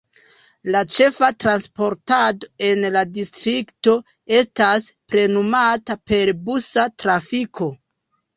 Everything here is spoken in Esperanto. La ĉefa transportado en la distrikto estas plenumata per busa trafiko.